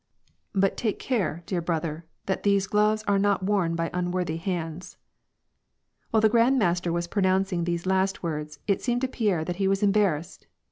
85 ^ Bnt take care, dear brother, that these gloves are not worn by unworthy hands !^' While the Grand Master was pronouncing these last words, it seemed to Pierre that he was embarrassed.